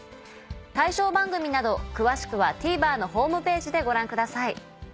対象番組など詳しくはＴＶｅｒのホームページでご覧ください。